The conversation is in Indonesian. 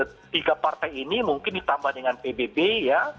empat partai ini sekarang ditambah dengan pbb ya